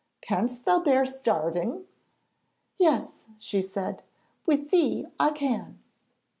Canst thou bear starving?' 'Yes,' said she; 'with thee I can.'